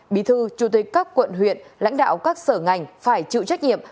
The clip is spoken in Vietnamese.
bí thư chủ tịch các quận huyện lãnh đạo các sở ngành phải chịu trách nhiệm